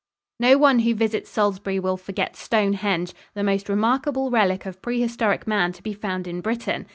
] No one who visits Salisbury will forget Stonehenge, the most remarkable relic of prehistoric man to be found in Britain.